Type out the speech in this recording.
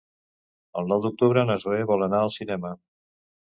El nou d'octubre na Zoè vol anar al cinema.